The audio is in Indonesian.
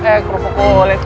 eh kerupuk kulit